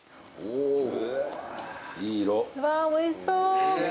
うわーおいしそう。